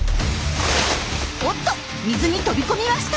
おっと水に飛び込みました！